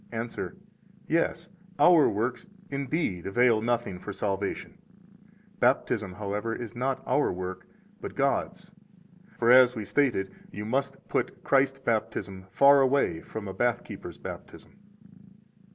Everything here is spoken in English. Answer: Yes, our works, indeed, avail nothing for salvation; Baptism, however, is not our work, but God's (for, as was stated, you must put Christ baptism far away from a bath keeper's baptism).